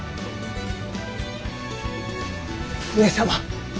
上様。